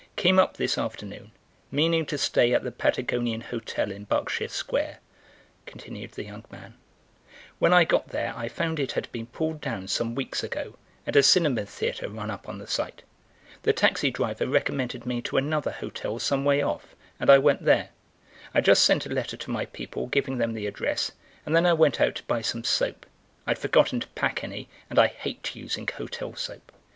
"Came up this afternoon, meaning to stay at the Patagonian Hotel in Berkshire Square," continued the young man; "when I got there I found it had been pulled down some weeks ago and a cinema theatre run up on the site. The taxi driver recommended me to another hotel some way off and I went there. I just sent a letter to my people, giving them the address, and then I went out to buy some soap—I'd forgotten to pack any and I hate using hotel soap.